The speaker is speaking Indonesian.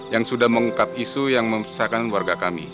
yang sudah mengungkap isu yang memisahkan warga kami